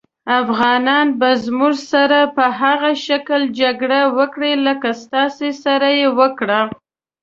افغانان به زموږ سره په هغه شکل جګړه وکړي لکه ستاسې سره یې وکړه.